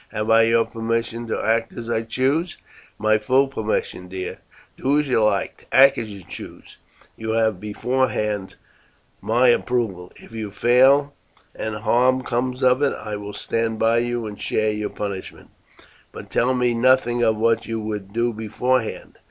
Have I your permission to act as I choose?" "My full permission, dear. Do as you like; act as you choose; you have beforehand my approval. If you fail and harm comes of it I will stand by you and share your punishment; but tell me nothing of what you would do beforehand.